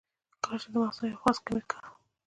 کله چې د مزغو د يو خاص کېميکل